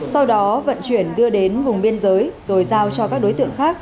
sau đó vận chuyển đưa đến vùng biên giới rồi giao cho các đối tượng khác